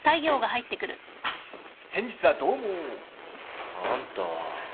先日はどうも。あんたは。